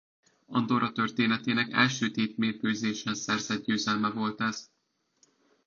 Andorra történetének első tétmérkőzésen szerzett győzelme volt ez.